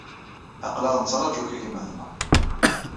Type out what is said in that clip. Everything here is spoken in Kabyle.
Aql-aɣ nettṛaju-k a gma-tneɣ